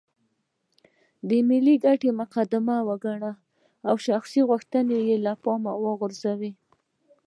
د ملي ګټې مقدمې وګڼو او شخصي غوښتنې له پامه وغورځوو.